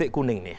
itu kalau berarti